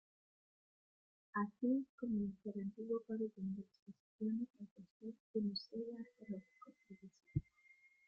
Así comienza el antiguo pabellón de exposiciones a ejercer de Museo Arqueológico Provincial.